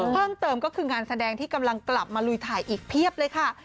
เพิ่มเติมก็คืองานแสดงที่กำลังกลับมาลุยถ่ายอีกเพียบเลยค่ะ